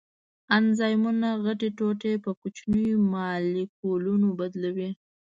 انزایمونه غټې ټوټې په کوچنیو مالیکولونو بدلوي.